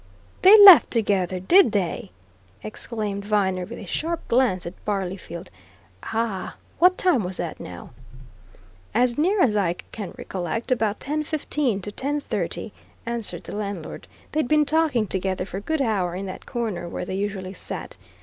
"They left together, did they!" exclaimed Viner with a sharp glance at Barleyfield. "Ah! What time was that, now?" "As near as I can recollect, about ten fifteen to ten thirty," answered the landlord. "They'd been talking together for a good hour in that corner where they usually sat.